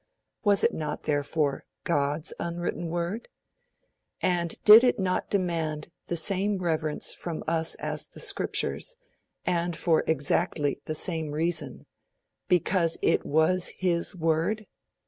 Was it not, therefore, God's unwritten word? And did it not demand the same reverence from us as the Scriptures, and for exactly the same reason BECAUSE IT WAS HIS WORD?